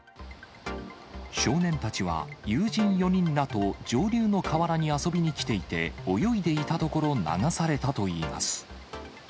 少年たちは友人４人らと上流の河原に遊びにきていて、泳いでいたところ、流されたといいます。